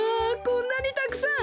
こんなにたくさん！